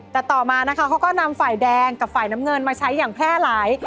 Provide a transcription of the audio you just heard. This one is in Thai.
แต่ต่อมานะคะเขาก็นำฝ่ายแดงกับฝ่ายน้ำเงินมาใช้อย่างแพร่หลาย